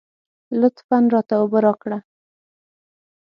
لطفاً راته اوبه راکړه.